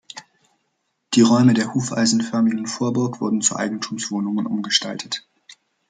Die Räume der hufeisenförmigen Vorburg wurden zu Eigentumswohnungen umgestaltet.